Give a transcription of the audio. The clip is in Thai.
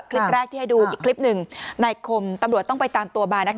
คลิปแรกที่ให้ดูอีกคลิปหนึ่งในคมตำรวจต้องไปตามตัวมา